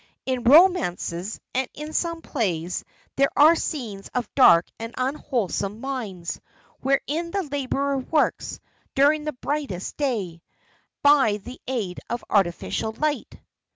In romances, and in some plays, there are scenes of dark and unwholesome mines, wherein the labourer works, during the brightest day, by the aid of artificial light.